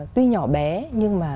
tuy nhỏ bé nhưng mà